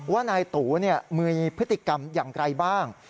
ว่านายตูมีพฤติกรรมอย่างไรบ้าง